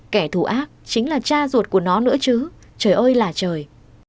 kẻ thù ác chính là cha ruột của nó nữa chứ trời ơi là trời